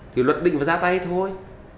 thì luật định phải ra tay thôi